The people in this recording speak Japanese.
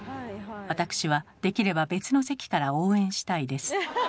私はできれば別の席から応援したいです。